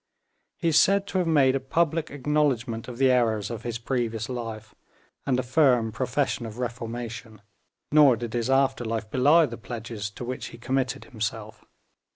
He is said to have made a public acknowledgment of the errors of his previous life, and a firm profession of reformation; nor did his after life belie the pledges to which he committed himself.